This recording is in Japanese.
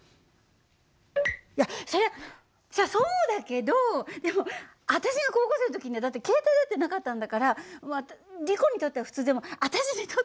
いやそれはさそうだけどでも私が高校生の時にはだって携帯だってなかったんだからリコにとっては普通でも私にとってはすごく不思議なの！